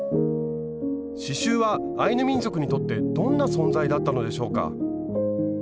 刺しゅうはアイヌ民族にとってどんな存在だったのでしょうか？